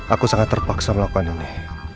aku sangat terpaksa melakukan ini